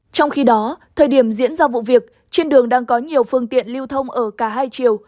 trong khi đó thời điểm diễn ra vụ việc trên đường đang có nhiều phương tiện lưu thông ở cả hai chiều